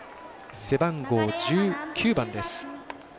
背番号１９番です。